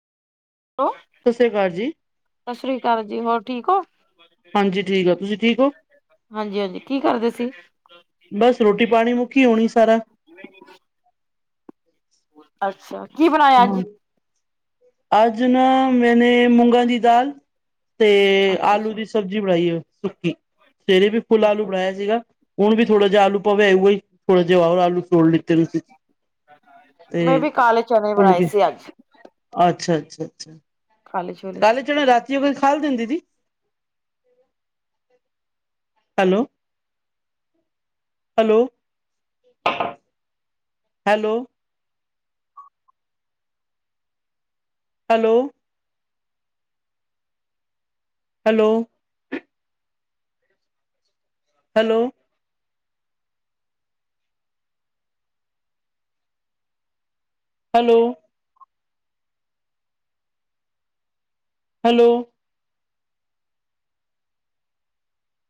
ਲੋ ਓ ਸਸਰੀ ਆ ਕਾਲ ਜੀ ਸਸਰੀ ਕਾਲ ਜੀ ਹੋਰ ਠੀਕ ਓ ਹਾਂਜੀ ਠੀਕ ਐ ਤੁਸੀਂ ਠੀਕ ਓ ਹਾਂਜੀ ਹਾਂਜੀ ਈ ਕੀ ਕਰਦੇ ਸੀ ਈ ਬਸ ਰੋਟੀ ਪਾਣੀ ਮੁਕੀ ਹੋਣੀ ਈ ਸਾਰਾ ਨਹੀਂ ਨਾ ਅੱਛਾ ਕੀ ਬਣਾਇਆ ਅੱਜ ਐ ਹਾਂ ਅੱਜ ਨਾ ਮੈਨੇ ਏ ਮੂੰਗਾਂ ਦੀ ਦਾਲ ਤੇ ਅੱਛਾ ਆਲੂ ਅੱਛਾ ਦੀ ਸ ਸਬਜ਼ੀ ਬਣਾਈ ਐ ਸੁੱਕੀ ਈ ਸਵੇਰੇ ਵੀ ਫੁੱਲ ਆਲੂ ਅੱਛਾ ਬਣਾਇਆ ਸੀਗਾ ਹੁਣ ਵੀ ਥੋੜਾ ਜਿਹਾ ਆਲੂ ਪਵੇ ਉਈ ਥੋੜਾ ਜਿਹਾ ਉਹ ਆਲੂ ਤੋੜ ਲੈ ਏ ਤਾਨੂੰ ਦੀਤੇ ਤੇ ਮੈਂ ਏ ਵੀ ਕਾਲੇ ਚਨੇ ਭੁਲ ਬਣਾਏ ਗੇ ਏ ਸੀ ਅੱਜ ਆਛਾ ਅੱਛਾ ਅੱਛਾ ਖਾਲੇ ਛੋਲੇ ਏ ਜਨਾ ਰਾਤੀ ਓ ਖਾਲ ਦਿੰਦੀ ਦੀ ਈ ਹੈਲੋ ਓ ਹੈਲੋ ਓ ਹੈਲੋ ਓ ਹੈਲੋ ਓ ਹੈਲੋ ਓ ਹੈਲੋ ਓ ਹੈਲੋ ਹੈਲੋ